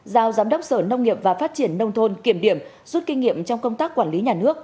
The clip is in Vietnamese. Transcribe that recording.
giao giám đốc sở nông nghiệp và phát triển nông thôn kiểm điểm rút kinh nghiệm trong công tác quản lý nhà nước